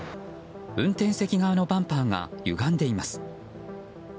運転席側のバンパーがゆがんでいます。